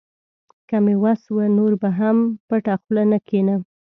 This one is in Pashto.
که مې وس و، نور به هم پټه خوله نه کښېنم.